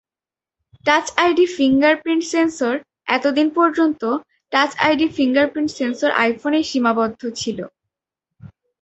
Touch ID fingerprint সেনসরএত দিন পর্যন্ত টাচ আইডি ফিঙ্গারপ্রিন্ট সেনসর আইফোনেই সীমাবদ্ধ ছিল।